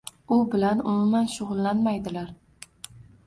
u bilan umuman shug‘ullanmaydilar